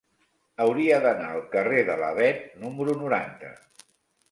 Hauria d'anar al carrer de l'Avet número noranta.